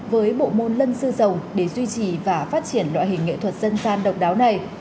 với bộ môn lân sư giàu để duy trì và phát triển loại hình nghệ thuật dân gian độc đáo này